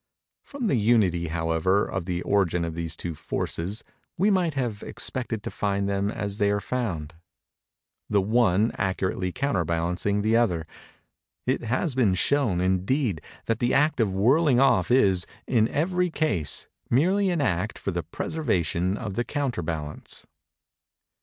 From the unity, however, of the origin of these two forces, we might have expected to find them as they are found—the one accurately counterbalancing the other. It has been shown, indeed, that the act of whirling off is, in every case, merely an act for the preservation of the counterbalance.